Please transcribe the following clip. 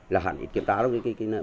là hẳn ít kiểm tra lúc đó